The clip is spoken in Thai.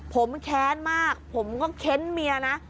ผมแค้นมากผมก็เค้นเมียนะ